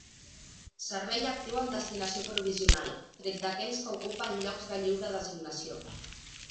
Servei actiu amb destinació provisional, tret d'aquells que ocupen llocs de lliure designació.